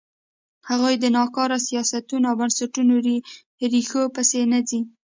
هغوی د ناکاره سیاستونو او بنسټونو ریښو پسې نه ځي.